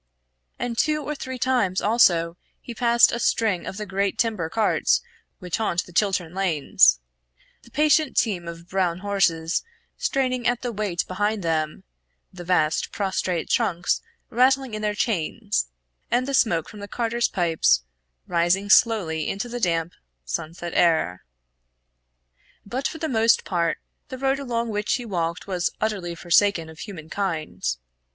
And two or three times also he passed a string of the great timber carts which haunt the Chiltern lanes; the patient team of brown horses straining at the weight behind them, the vast prostrate trunks rattling in their chains, and the smoke from the carters' pipes rising slowly into the damp sunset air. But for the most part the road along which he walked was utterly forsaken of human kind.